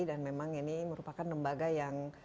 dan memang ini merupakan lembaga yang